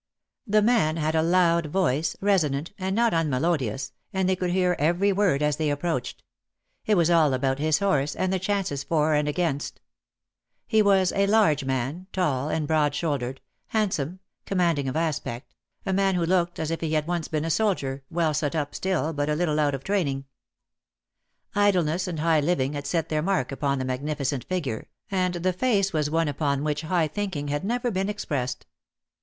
The man had a loud voice, resonant, and not unmelodious, and they could hear every word as they approached. It was all about his horse, and the chances for and against. DEAD LOVE HAS CHAINS. 209 He was a large man, tall and broad shouldered, handsome, commanding of aspect, a man who looked as if he had once been a soldier, well set up still, but a little out of training. Idleness and high living had set their mark upon the magnificent figure, and the face was one upon which high thinking had never been expressed.